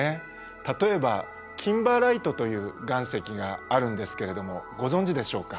例えばキンバーライトという岩石があるんですけれどもご存じでしょうか？